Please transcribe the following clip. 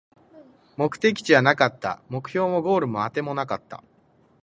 目的地はなかった、目標もゴールもあてもなかった